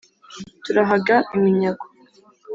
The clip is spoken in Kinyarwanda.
turahaga iminyago.